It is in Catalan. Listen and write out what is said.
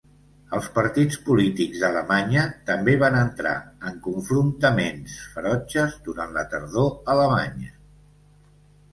Els partits polítics d'Alemanya també van entrar en confrontaments ferotges durant la Tardor Alemanya.